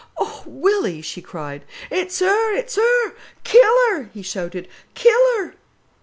"Oh, Willy!" she cried. "It's 'er, it's 'er. Kill her!" he shouted, "kill her."